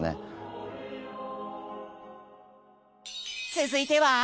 続いては？